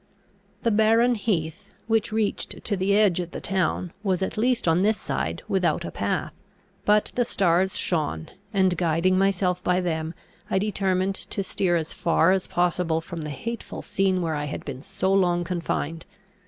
The barren heath, which reached to the edge of the town, was, at least on this side, without a path; but the stars shone, and, guiding myself by them, I determined to steer as far as possible from the hateful scene where I had been so long confined.